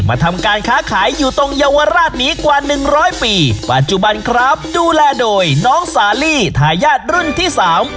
ทำการค้าขายอยู่ตรงเยาวราชนี้กว่าหนึ่งร้อยปีปัจจุบันครับดูแลโดยน้องสาลีทายาทรุ่นที่สาม